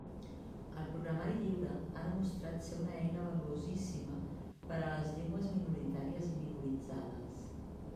El programari lliure ha demostrat ser una eina valuosíssima per a les llengües minoritàries i minoritzades.